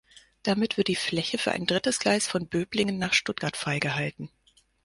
Damit wird die Fläche für ein drittes Gleis von Böblingen nach Stuttgart freigehalten.